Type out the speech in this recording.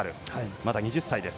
まだ２０歳です。